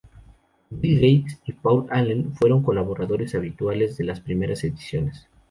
Bill Gates y Paul Allen, fueron colaboradores habituales de las primeras ediciones.